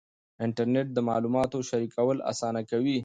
انټرنېټ د معلوماتو شریکول اسانه کوي.